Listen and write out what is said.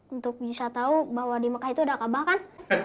untuk bisa tahu bahwa di mekah itu ada kabah kan